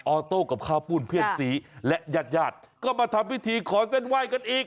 อโต้กับข้าวปุ้นเพื่อนสีและญาติญาติก็มาทำพิธีขอเส้นไหว้กันอีก